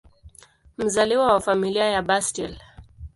Mzaliwa wa Familia ya Bustill.